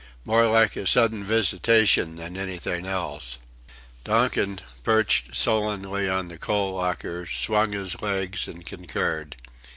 More like a sudden visitation than anything else." Donkin, perched sullenly on the coal locker, swung his legs and concurred.